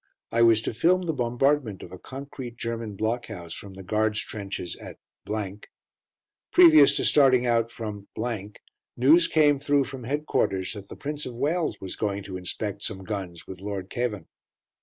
I was to film the bombardment of a concrete German block house from the Guards' trenches at . Previous to starting out from news came through from headquarters that the Prince of Wales was going to inspect some guns with Lord Cavan.